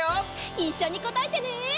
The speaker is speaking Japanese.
いっしょにこたえてね！